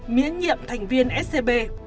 miễn nhiệm thành viên scb